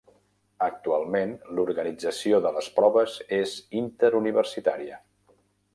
Actualment, l'organització de les proves és interuniversitària.